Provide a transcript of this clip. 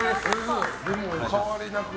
お変わりなく。